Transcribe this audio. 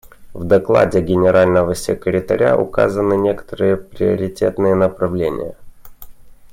В докладе Генерального секретаря указаны некоторые приоритетные направления.